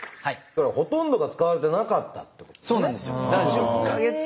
ほとんどが使われてなかったってことですね。